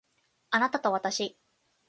あなたとわたし